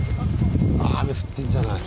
雨降ってんじゃない？